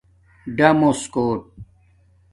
دُݸمس کوٹ